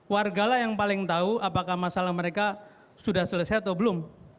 wargalah yang paling tahu apakah masalah mereka sudah selesai atau belum